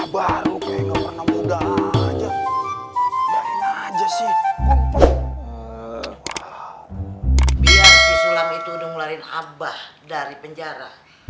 biar si sulam itu udah ngelarin abah dari penjara